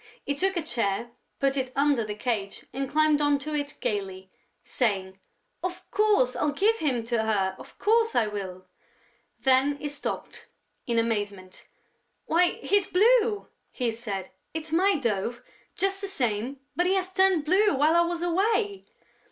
He took a chair, put it under the cage and climbed on to it gaily, saying: "Of course, I'll give him to her, of course, I will!..." Then he stopped, in amazement: "Why, he's blue!" he said. "It's my dove, just the same, but he has turned blue while I was away!"